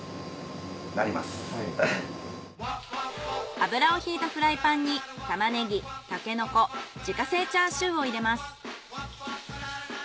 油を引いたフライパンにタマネギタケノコ自家製チャーシューを入れます。